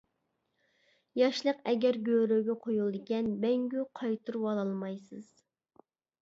ياشلىق ئەگەر گۆرۈگە قويۇلىدىكەن، مەڭگۈ قايتۇرۇۋالالمايسىز.